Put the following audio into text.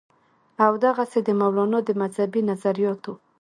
او دغسې د مولانا د مذهبي نظرياتو